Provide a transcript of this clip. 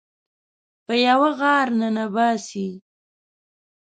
په یوه غار ننه باسي